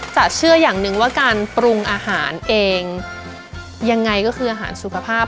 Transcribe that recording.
เชื่ออย่างหนึ่งว่าการปรุงอาหารเองยังไงก็คืออาหารสุขภาพ